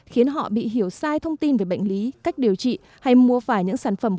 khiến họ bị hiểu sai thông tin về bệnh lý cách điều trị hay mua phải những sản phẩm